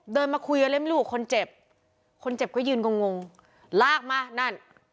เดินมาคุยอะไรไม่รู้คนเจ็บคนเจ็บก็ยืนกงงงลากมานั่น